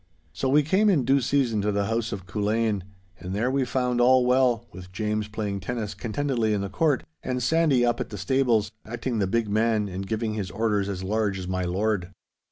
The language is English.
So we came in due season to the house of Culzean, and there we found all well, with James playing tennis contentedly in the court; and Sandy, up at the stables, acting the big man and giving his orders as large as my lord.